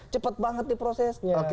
cepat banget diprosesnya